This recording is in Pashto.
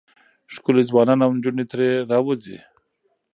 ښکلي ځوانان او نجونې ترې راوځي.